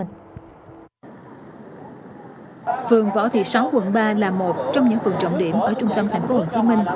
phường võ thị sáu quận ba là một trong những phường trọng điểm ở trung tâm tp hcm